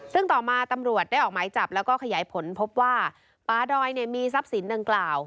ซึ่งต่อมาตำรวจได้ออกหมายจับแล้วก็ขยายผลพบว่าปลาดอยเนี่ยมีทรัพย์สินดังกล่าว